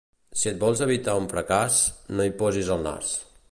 Si et vols evitar un fracàs, no hi posis el nas.